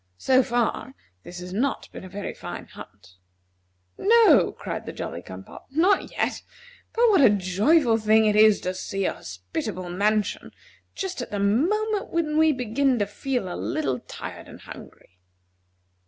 So far, this has not been a very fine hunt." "No," cried the Jolly cum pop, "not yet. But what a joyful thing to see a hospitable mansion just at the moment when we begin to feel a little tired and hungry!"